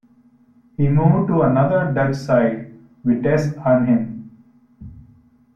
He moved to another Dutch side, Vitesse Arnhem.